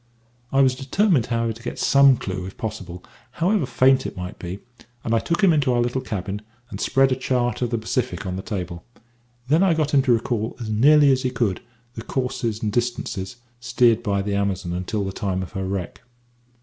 I was determined, however, to get some clue if possible, however faint it might be; and I took him into our little cabin, and spread a chart of the Pacific on the table. Then I got him to recall, as nearly as he could, the courses and distances steered by the Amazon until the time of her wreck.